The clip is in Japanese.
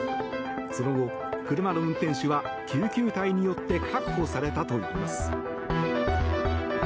その後、車の運転手は救急隊によって確保されたといいます。